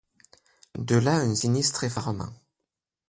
De là un sinistre effarement.